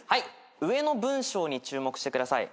上の文章に注目してください。